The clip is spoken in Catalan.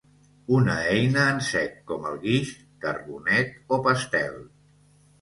una eina en sec com el guix, carbonet o pastel